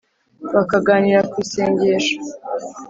bakaganira ku isengesho